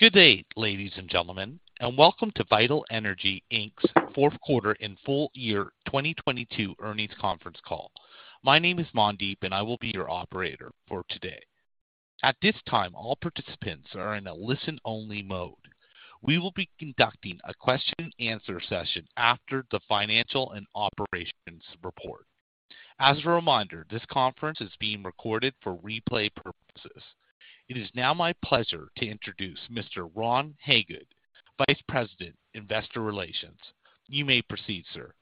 Good day, ladies and gentlemen. Welcome to Vital Energy Inc.'s fourth quarter and full year 2022 earnings conference call. My name is Mandeep and I will be your operator for today. At this time, all participants are in a listen-only mode. We will be conducting a question and answer session after the financial and operations report. As a reminder, this conference is being recorded for replay purposes. It is now my pleasure to introduce Mr. Ron Hagood, Vice President, Investor Relations. You may proceed, sir.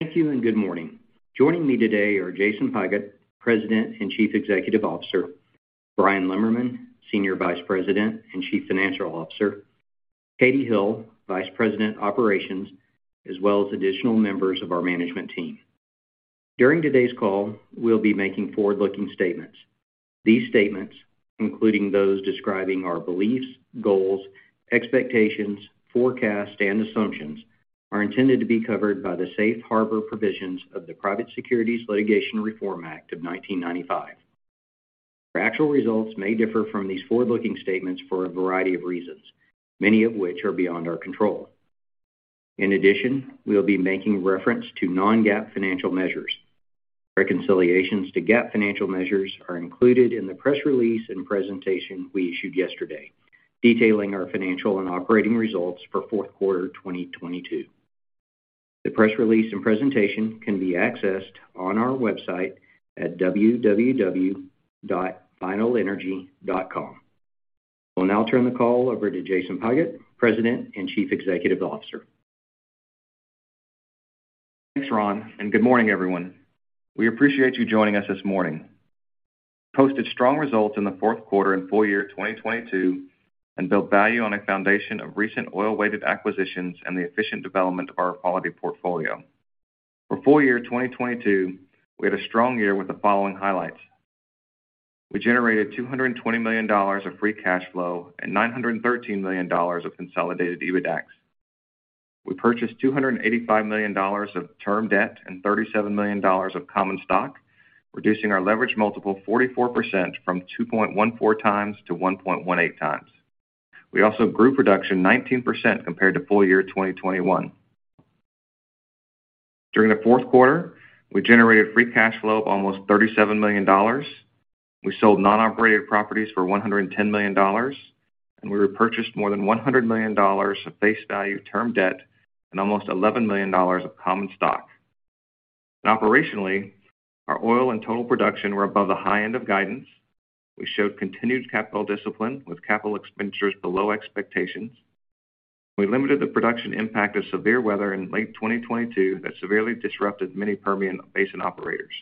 Thank you and good morning. Joining me today are Jason Pigott, President and Chief Executive Officer, Bryan Lemmerman, Senior Vice President and Chief Financial Officer, Katie Hill, Vice President, Operations, as well as additional members of our management team. During today's call, we'll be making forward-looking statements. These statements, including those describing our beliefs, goals, expectations, forecasts and assumptions, are intended to be covered by the safe harbor provisions of the Private Securities Litigation Reform Act (PSLRA) of 1995. Our actual results may differ from these forward-looking statements for a variety of reasons, many of which are beyond our control. In addition, we'll be making reference to non-GAAP financial measures. Reconciliations to GAAP financial measures are included in the press release and presentation we issued yesterday, detailing our financial and operating results for fourth quarter 2022. The press release and presentation can be accessed on our website @www.vitalenergy.com. I will now turn the call over to Jason Pigott, President and Chief Executive Officer. Thanks, Ron. Good morning, everyone. We appreciate you joining us this morning. Posted strong results in the fourth quarter and full year 2022 and built value on a foundation of recent oil-weighted acquisitions and the efficient development of our quality portfolio. For full year 2022, we had a strong year with the following highlights -- we generated $220 million of free cash flow and $913 million of consolidated EBITDAX. We purchased $285 million of term debt and $37 million of common stock, reducing our leverage multiple 44% from 2.14x to 1.18x; we also grew production 19% compared to full year 2021. During the fourth quarter, we generated free cash flow of almost $37 million. We sold non-operated properties for $110 million and we repurchased more than $100 million of face value term debt and almost $11 million of common stock. Operationally, our oil and total production were above the high end of guidance, we showed continued capital discipline with capital expenditures below expectations, we limited the production impact of severe weather in late 2022 that severely disrupted many Permian Basin operators.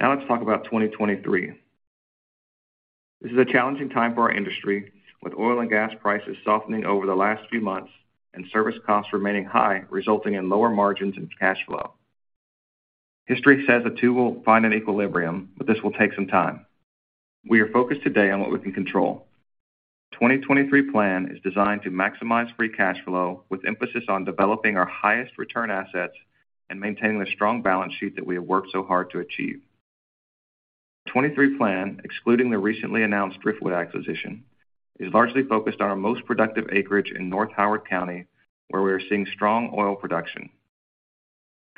Let's talk about 2023 -- this is a challenging time for our industry with oil and gas prices softening over the last few months and service costs remaining high, resulting in lower margins and cash flow. History says the two will find an equilibrium, this will take some time. We are focused today on what we can control. 2023 plan is designed to maximize free cash flow with emphasis on developing our highest return assets and maintaining the strong balance sheet that we have worked so hard to achieve. 2023 plan excluding the recently announced Driftwood acquisition, is largely focused on our most productive acreage in North Howard County where we are seeing strong oil production.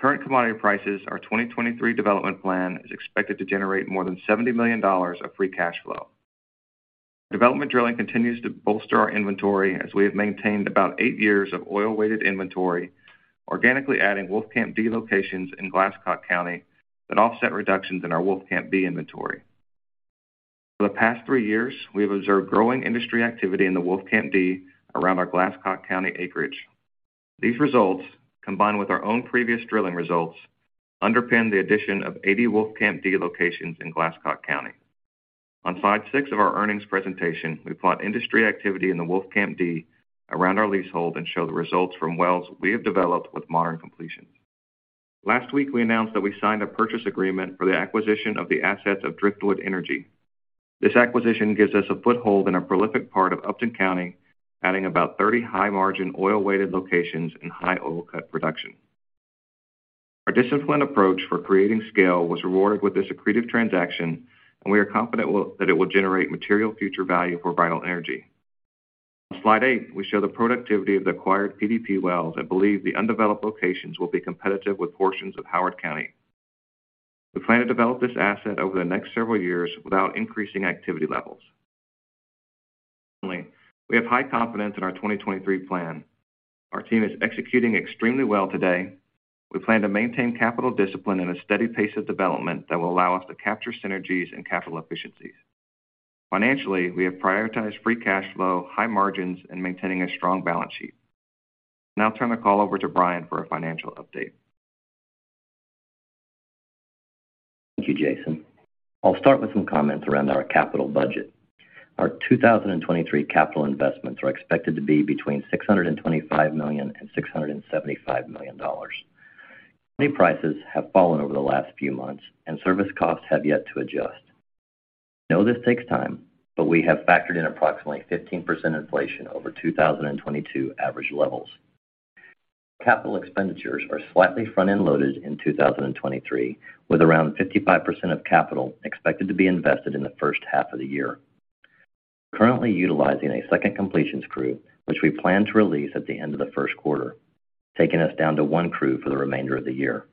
Current commodity prices, our 2023 development plan is expected to generate more than $70 million of free cash flow, development drilling continues to bolster our inventory as we have maintained about eight years of oil-weighted inventory, organically adding Wolfcamp D locations in Glasscock County that offset reductions in our Wolfcamp B inventory. For the past three years, we have observed growing industry activity in the Wolfcamp D around our Glasscock County acreage. These results, combined with our own previous drilling results underpin the addition of 80 Wolfcamp D locations in Glasscock County. On slide six of our earnings presentation, we plot industry activity in the Wolfcamp D around our leasehold and show the results from wells we have developed with modern completions. Last week, we announced that we signed a purchase agreement for the acquisition of the assets of Driftwood Energy, this acquisition gives us a foothold in a prolific part of Upton County, adding about 30 high-margin oil-weighted locations and high oil cut production. Our disciplined approach for creating scale was rewarded with this accretive transaction and we are confident that it will generate material future value for Vital Energy. On slide eight, we show the productivity of the acquired PDP wells and believe the undeveloped locations will be competitive with portions of Howard County. We plan to develop this asset over the next several years without increasing activity levels. Finally, we have high confidence in our 2023 plan, our team is executing extremely well today; we plan to maintain capital discipline and a steady pace of development that will allow us to capture synergies and capital efficiencies. Financially, we have prioritized free cash flow, high margins and maintaining a strong balance sheet. Now I'll turn the call over to Bryan for a financial update. Thank you, Jason. I'll start with some comments around our capital budget -- Our 2023 capital investments are expected to be between $625 million and $675 million, new prices have fallen over the last few months and service costs have yet to adjust; we know this takes time but we have factored in approximately 15% inflation over 2022 average levels. Capital expenditures are slightly front-end loaded in 2023 with around 55% of capital expected to be invested in the first half of the year. We're currently utilizing a second completions crew which we plan to release at the end of the first quarter taking us down to one crew for the remainder of the year,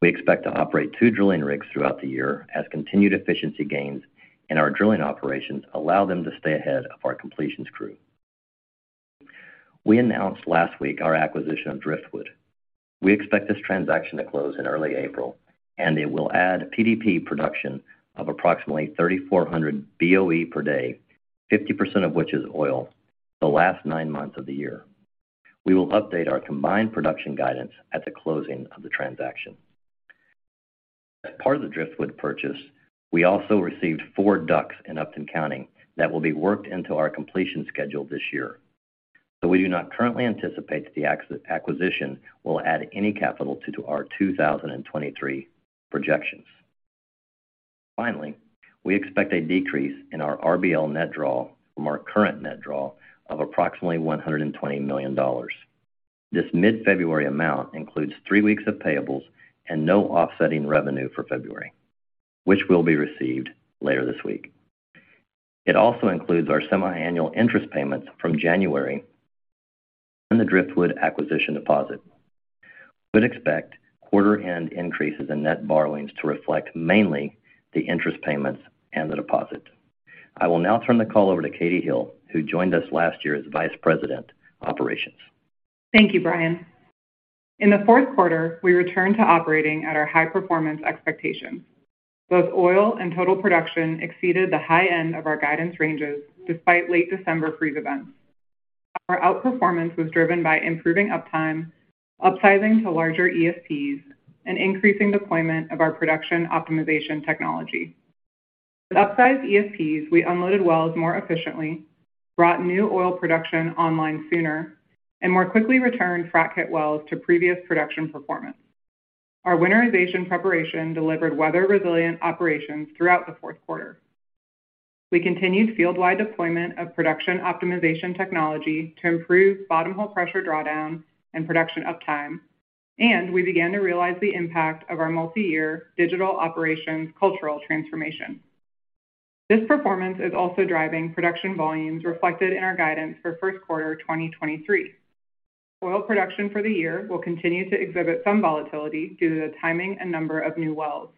we expect to operate two drilling rigs throughout the year as continued efficiency gains in our drilling operations allow them to stay ahead of our completions crew. We announced last week our acquisition of Driftwood. We expect this transaction to close in early April and it will add PDP production of approximately 3,400 BOE per day, 50% of which is oil, the last nine months of the year; we will update our combined production guidance at the closing of the transaction. As part of the Driftwood purchase, we also received four DUCs in Upton County that will be worked into our completion schedule this year, we do not currently anticipate the acquisition will add any capital to our 2023 projections. Finally, we expect a decrease in our RBL net draw from our current net draw of approximately $120 million; this mid-February amount includes three weeks of payables and no offsetting revenue for February, which will be received later this week, it also includes our semiannual interest payments from January and the Driftwood acquisition deposit. We'd expect quarter-end increases in net borrowings to reflect mainly the interest payments and the deposit. I will now turn the call over to Katie Hill, who joined us last year as Vice President of Operations. Thank you, Bryan. In the fourth quarter, we returned to operating at our high-performance expectations -- both oil and total production exceeded the high end of our guidance ranges despite late December freeze events, our outperformance was driven by improving uptime, upsizing to larger ESPs and increasing deployment of our production optimization technology; with upsized ESPs, we unloaded wells more efficiently, brought new oil production online sooner and more quickly returned Frac-hit wells to previous production performance; our winterization preparation delivered weather-resilient operations throughout the fourth quarter. We continued field-wide deployment of production optimization technology to improve bottom hole pressure drawdowns and production uptime and we began to realize the impact of our multi-year digital operations cultural transformation. This performance is also driving production volumes reflected in our guidance for first quarter 2023. Oil production for the year will continue to exhibit some volatility due to the timing and number of new wells.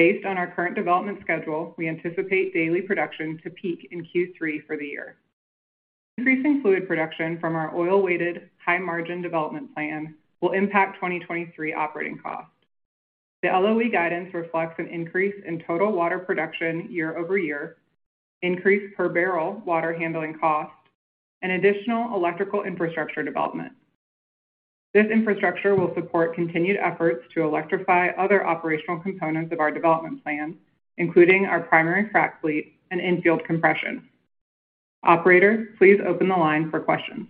Based on our current development schedule, we anticipate daily production to peak in Q3 for the year; increasing fluid production from our oil-weighted high margin development plan will impact 2023 operating costs. The LOE guidance reflects an increase in total water production year-over-year, increase per barrel water handling cost and additional electrical infrastructure development, this infrastructure will support continued efforts to electrify other operational components of our development plan, including our primary Frac-fleet and in-field compression. Operator, please open the line for questions.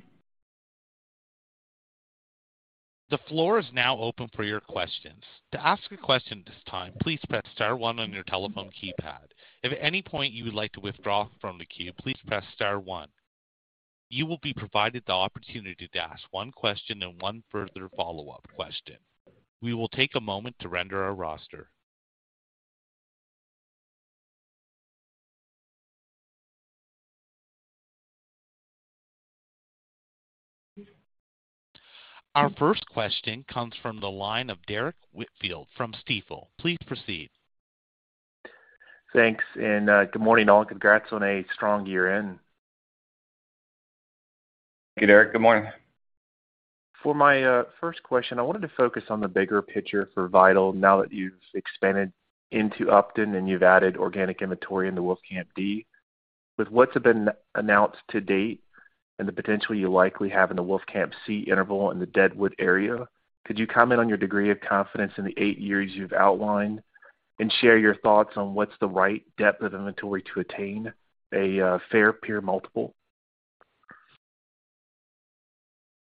The floor is now open for your questions. To ask a question at this time, please press star one on your telephone keypad. If at any point you would like to withdraw from the queue, please press star one. You will be provided the opportunity to ask one question and one further follow-up question. We will take a moment to render our roster. Our first question comes from the line of Derrick Whitfield from Stifel. Please proceed. Thanks. Good morning, all. Congrats on a strong year-end. Thank you, Derrick. Good morning. For my first question, I wanted to focus on the bigger picture for Vital -- now that you've expanded into Upton and you've added organic inventory in the Wolfcamp D; with what's been announced to date and the potential you likely have in the Wolfcamp C interval in the Driftwood area, could you comment on your degree of confidence in the eight years you've outlined and share your thoughts on what's the right depth of inventory to attain a fair peer multiple?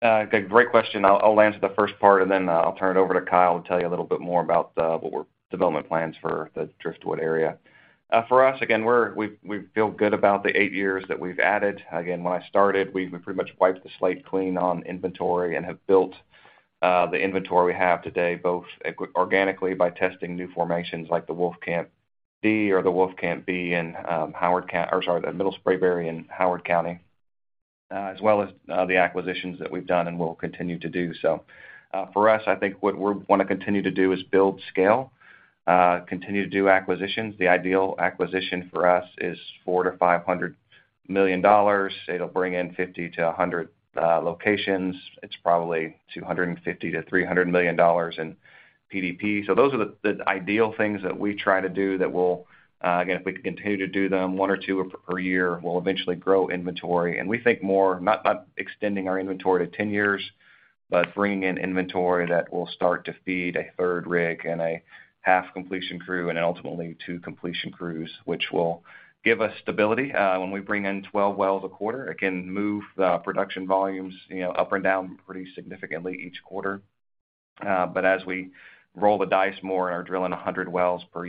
Great question, I'll answer the first part and then I'll turn it over to Kyle to tell you a little bit more about what we're development plans for the Driftwood area. For us, again, we feel good about the eight years that we've added, again, when I started, we pretty much wiped the slate clean on inventory and have built the inventory we have today -- both organically by testing new formations like the Wolfcamp D or the Wolfcamp B in Howard County, or sorry, the Middle Spraberry in Howard County as well as the acquisitions that we've done and will continue to do; for us, I think what we're wanna continue to do is build scale, continue to do acquisitions, the ideal acquisition for us is $400 million-$500 million. It'll bring in 50-100 locations; it's probably $250 million-$300 million in PDP, those are the ideal things that we try to do that will, again, if we can continue to do them, one or two per year will eventually grow inventory and we think more, not by extending our inventory to 10 years, but bringing in inventory that will start to feed a third rig and a half completion crew and ultimately two completion crews, which will give us stability when we bring in 12 wells a quarter, it can move the production volumes, you know, up and down pretty significantly each quarter. But as we roll the dice more and are drilling 100 wells per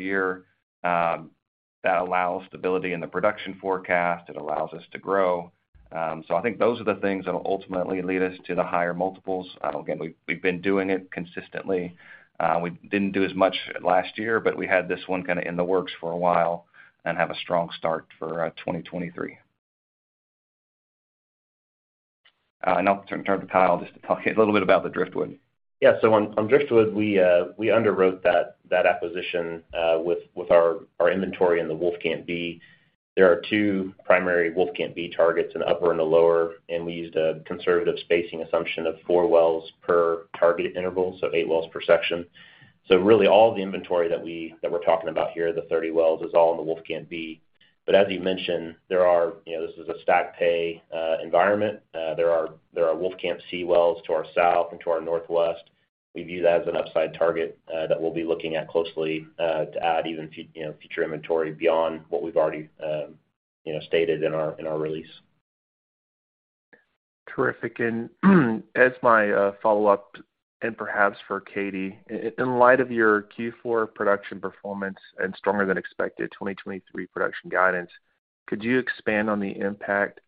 year, that allows stability in the production forecast, it allows us to grow; I think those are the things that'll ultimately lead us to the higher multiples and again, we've been doing it consistently, we didn't do as much last year but we had this one kinda in the works for a while and have a strong start for 2023. I'll turn to Kyle just to talk a little bit about the Driftwood. Yeah. On Driftwood, we underwrote that acquisition with our inventory in the Wolfcamp B -- there are 2 primary Wolfcamp B targets, an upper and a lower and we used a conservative spacing assumption of four wells per target interval, so 8 wells per section; really, all the inventory that we're talking about here, the 30 wells is all in the Wolfcamp B but as you mentioned, there are, you know, this is a stack pay environment, there are Wolfcamp C wells to our south and to our northwest, we view that as an upside target that we'll be looking at closely to add even you know, future inventory beyond what we've already, you know, stated in our release. Terrific. As my follow-up and perhaps for Katie, in light of your Q4 production performance and stronger than expected 2023 production guidance, could you expand on the impact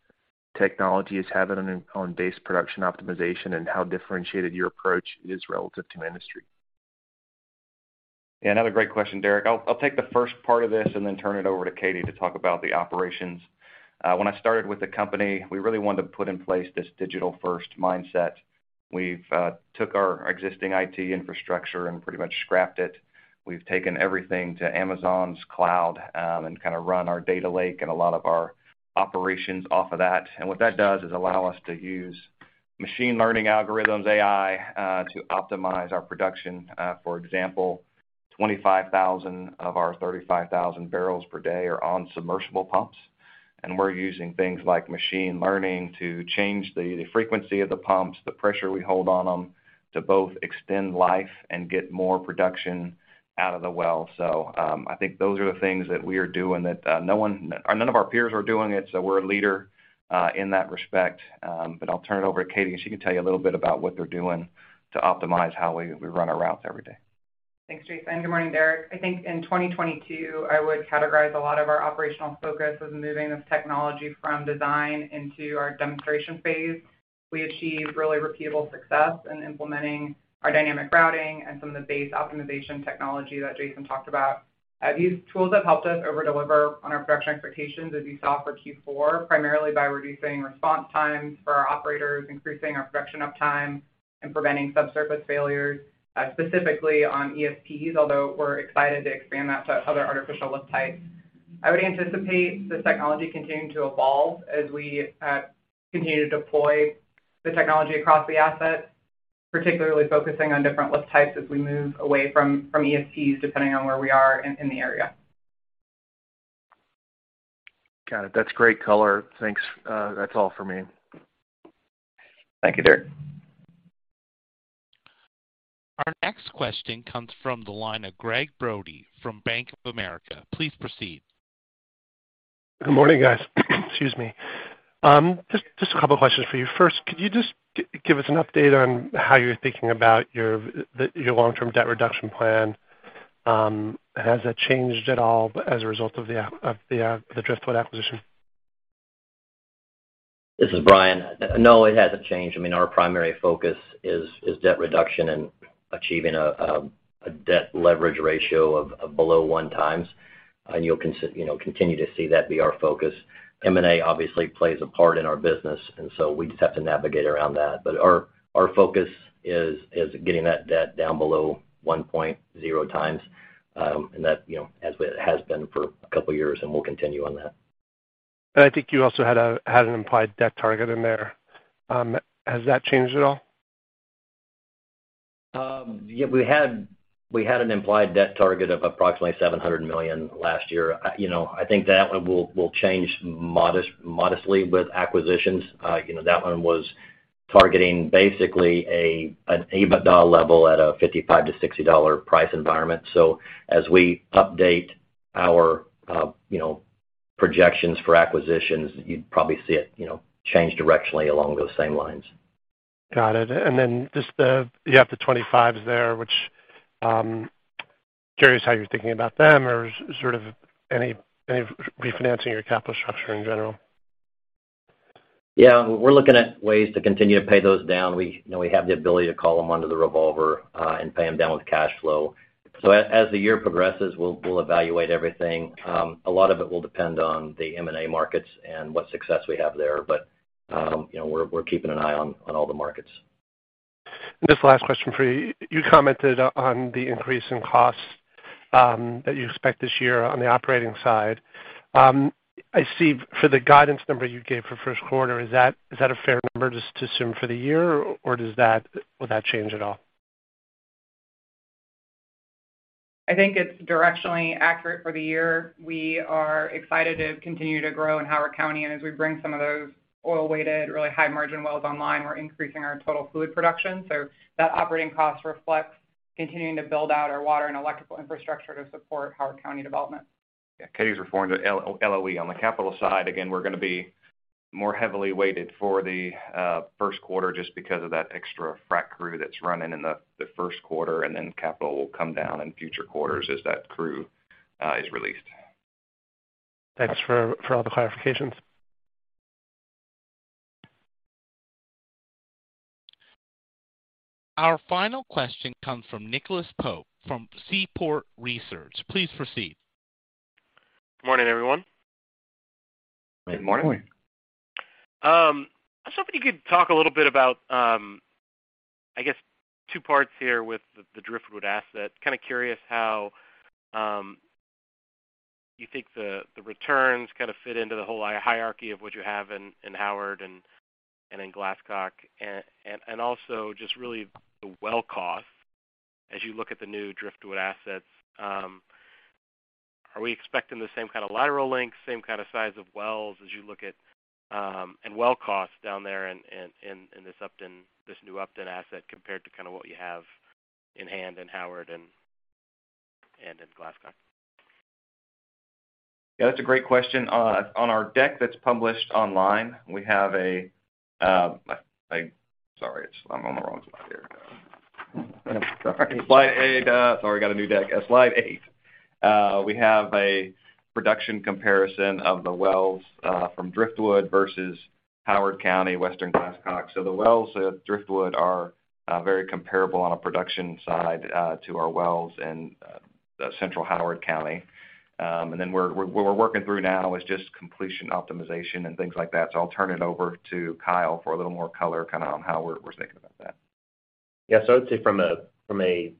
technology is having on base production optimization and how differentiated your approach is relative to industry? Yeah, another great question, Derrick, I'll take the first part of this and then turn it over to Katie to talk about the operations -- when I started with the company, we really wanted to put in place this digital-first mindset, we've took our existing IT infrastructure and pretty much scrapped it, we've taken everything to Amazon's cloud and kinda run our data lake and a lot of our operations off of that; what that does is allow us to use machine learning algorithms, AI to optimize our production, for example, 25,000 or 35,000 barrels per day are on submersible pumps and we're using things like machine learning to change the frequency of the pumps, the pressure we hold on them to both extend life and get more production out of the well. I think those are the things that we are doing that none of our peers are doing it, so we're a leader in that respect, I'll turn it over to Katie and she can tell you a little bit about what they're doing to optimize how we run our routes every day. Thanks, Jason, Good morning, Derek, I think in 2022 -- I would categorize a lot of our operational focus as moving this technology from design into our demonstration phase -- we achieved really repeatable success in implementing our dynamic routing and some of the base optimization technology that Jason talked about; these tools have helped us over-deliver on our production expectations, as you saw for Q4, primarily by reducing response times for our operators increasing our production uptime and preventing subsurface failures, specifically on ESPs although we're excited to expand that to other artificial lift types; I would anticipate this technology continuing to evolve as we continue to deploy the technology across the assets, particularly focusing on different lift types as we move away from ESPs, depending on where we are in the area. Got it, that's great color, thanks, that's all for me. Thank you, Derrick. Our next question comes from the line of Gregg Brody from Bank of America. Please proceed. Good morning, guys. Excuse me. Just a couple questions for you -- first, could you just give us an update on how you're thinking about your long-term debt reduction plan? Has that changed at all as a result of the Driftwood acquisition? This is Bryan, no, it hasn't changed, I mean, our primary focus is debt reduction and achieving a debt leverage ratio of below 1x and you'll continue to see that be our focus, M&A obviously plays a part in our business, we just have to navigate around that; our focus is getting that debt down below 1.0x, that, you know, as it has been for a couple years, we'll continue on that. I think you also had an implied debt target in there, has that changed at all? Yeah, we had an implied debt target of approximately $700 million last year, you know, I think that one will change modestly with acquisitions; you know, that one was targeting basically an EBITDA level at a $55-$60 price environment, so as we update our, you know, projections for acquisitions, you'd probably see it, you know, change directionally along those same lines. Got it, just the, you have the 25s there, which, curious how you're thinking about them or sort of any refinancing your capital structure in general. Yeah, we're looking at ways to continue to pay those down, we, you know, we have the ability to call them under the revolver and pay them down with cash flow; as the year progresses, we'll evaluate everything, a lot of it will depend on the M&A markets and what success we have there but you know, we're keeping an eye on all the markets. Just the last question for you, you commented on the increase in costs that you expect this year on the operating side, I see for the guidance number you gave for first quarter, is that a fair number just to assume for the year or will that change at all? I think it's directionally accurate for the year, we are excited to continue to grow in Howard County and as we bring some of those oil-weighted, really high-margin wells online, we're increasing our total fluid production; continuing to build out our water and electrical infrastructure to support Howard County development. Yeah, Katie's referring to LOE -- on the capital side, again, we're gonna be more heavily weighted for the first quarter just because of that extra frack crew that's running in the first quarter and then capital will come down in future quarters as that crew is released. Thanks for all the clarifications. Our final question comes from Nicholas Pope from Seaport Research. Please proceed. Good morning, everyone. I was hoping you could talk a little bit about, I guess two parts here with the Driftwood asset -- kinda curious how you think the returns kinda fit into the whole hierarchy of what you have in Howard and in Glasscock and also just really the well cost as you look at the new Driftwood assets; are we expecting the same kind of lateral length, same kind of size of wells as you look at and well costs down there in this Upton, this new Upton asset compared to kinda what you have in hand in Howard and in Glasscock? Yeah, that's a great question, on our deck that's published online, we have a, sorry, it's I'm on the wrong slide here; slide eight, sorry, got a new deck, slide eight -- we have a production comparison of the wells from Driftwood versus Howard County, Western Glasscock, so the wells at Driftwood are very comparable on a production side to our wells in central Howard County and then what we're working through now is just completion optimization and things like that; I'll turn it over to Kyle for a little more color kinda on how we're thinking about that. I would say from a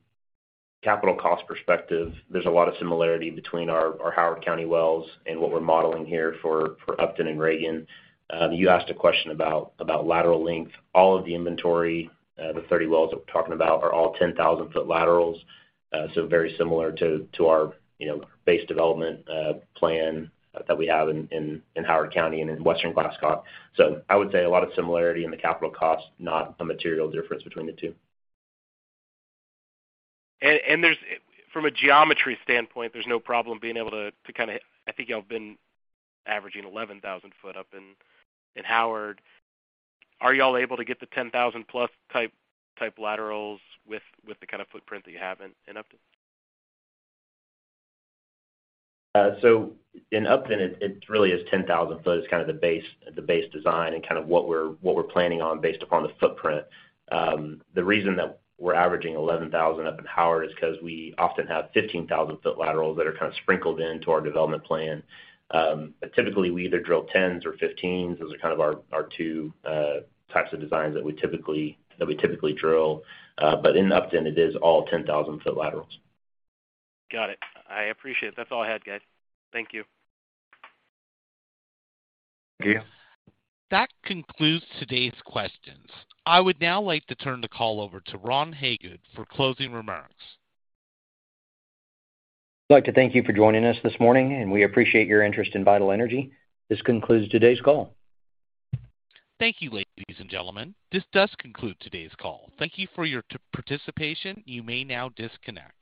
capital cost perspective -- there's a lot of similarity between our Howard County wells and what we're modeling here for Upton and Reagan, you asked a question about lateral length; all of the inventory, the 30 wells that we're talking about are all 10,000 foot laterals, very similar to our, you know, base development plan that we have in Howard County and in Western Glasscock, so I would say a lot of similarity in the capital cost not a material difference between the two. There's, from a geometry standpoint, there's no problem being able to kinda, I think y'all have been averaging 11,000 foot up in Howard; are y'all able to get the 10,000 plus type laterals with the kind of footprint that you have in Upton? In Upton it really is 10,000 foot is kind of the base, the base design and kind of what we're planning on based upon the footprint, the reason that we're averaging 11,000 up in Howard is 'cause we often have 15,000 foot laterals that are kind of sprinkled into our development plan, typically, we either drill 10s or 15s -- those are kind of our two types of designs that we typically drill but in Upton it is all 10,000 foot laterals. Got it, I appreciate it, that's all I had, guys. Thank you. That concludes today's questions. I would now like to turn the call over to Ron Hagood for closing remarks. I'd like to thank you for joining us this morning and we appreciate your interest in Vital Energy. This concludes today's call. Thank you, ladies and gentlemen. This does conclude today's call. Thank you for your participation. You may now disconnect.